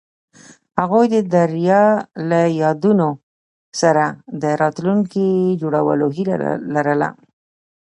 هغوی د دریا له یادونو سره راتلونکی جوړولو هیله لرله.